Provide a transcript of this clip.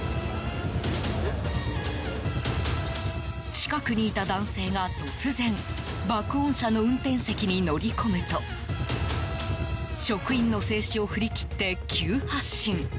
近くにいた男性が突然爆音車の運転席に乗り込むと職員の制止を振り切って急発進。